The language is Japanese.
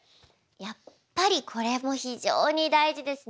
やっぱりこれも非常に大事ですね。